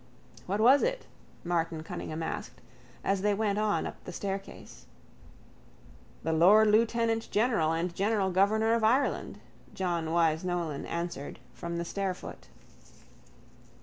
—What was it? Martin Cunningham asked, as they went on up the staircase. —The lord lieutenantgeneral and general governor of Ireland, John Wyse Nolan answered from the stairfoot.